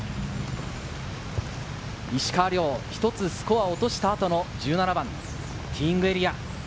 石川遼、１つスコアを落とした後の１７番、ティーイングエリア。